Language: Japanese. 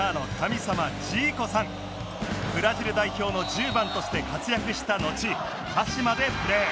ブラジル代表の１０番として活躍したのち鹿島でプレー